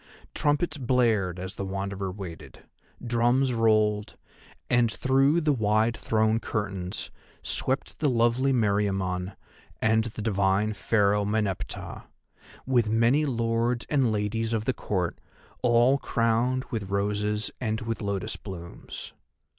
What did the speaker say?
Trumpets blared as the Wanderer waited, drums rolled, and through the wide thrown curtains swept the lovely Meriamun and the divine Pharaoh Meneptah, with many lords and ladies of the Court, all crowned with roses and with lotus blooms.